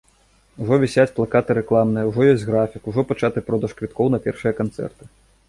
Ужо вісяць плакаты рэкламныя, ужо ёсць графік, ужо пачаты продаж квіткоў на першыя канцэрты.